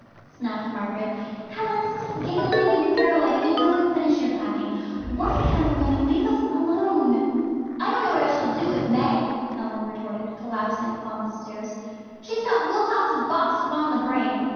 snapped Margaret. "Helen, stop giggling and pirouetting, and go and finish your packing. Why can't the woman leave us alone?" "I don't know what I shall do with Meg," Helen retorted, collapsing upon the stairs. "She's got Wilcox and Box upon the brain.